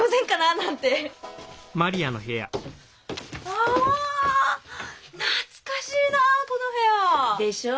ああ懐かしいなこの部屋！でしょ